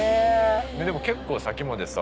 でも結構先までさ。